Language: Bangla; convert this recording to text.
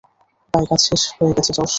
প্রায় কাজ হয়ে গেছে, জশ!